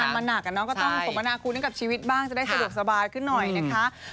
ก็ทำงานมาหนักอ่ะเนอะก็ต้องสมนาคุณกับชีวิตบ้างจะได้สะดวกสบายขึ้นหน่อยนะคะ